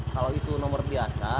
kalau itu nomor biasa